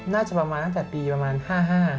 น่าจะประมาณตั้งแต่ปีประมาณ๕๕